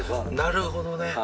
なるほどね。